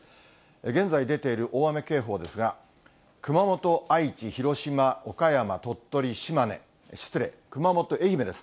現在出ている大雨警報ですが、熊本、愛知、広島、岡山、鳥取、島根、失礼、熊本、愛媛です。